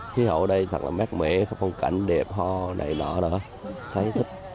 khi hậu ở đây thật là mát mẻ phong cảnh đẹp ho này nọ đó thấy thích